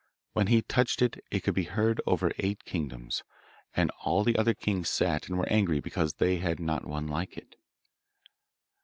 When he touched it it could be heard over eight kingdoms, and all the other kings sat and were angry because they had not one like it.